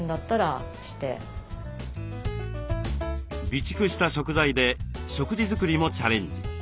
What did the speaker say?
備蓄した食材で食事作りもチャレンジ。